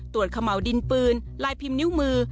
ขม่าวดินปืนลายพิมพ์นิ้วมือ